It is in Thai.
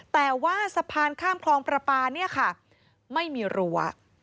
แต่ว่าสะพานข้ามคลองประปาเนี่ยค่ะไม่มีรั้ว